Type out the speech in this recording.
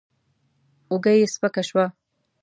اوږه يې سپکه شوه.